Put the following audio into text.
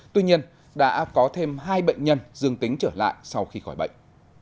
tuy nhiên đã có thêm hai bệnh nhân dương tính trở lại sau khi khỏi bệnh